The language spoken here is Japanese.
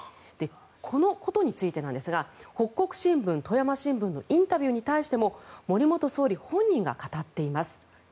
このことについてなんですが北國新聞、富山新聞のインタビューに対しても森元総理本人が語っています。